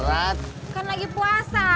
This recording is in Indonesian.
kangen lagi puasa